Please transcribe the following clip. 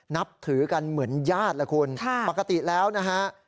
นับถือกันเหมือนญาติล่ะคุณปกติแล้วนะฮะ